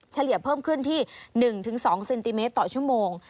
เฉลี่ยเพิ่มขึ้นที่๑๒เซนติเมตรต่อชั่วโมง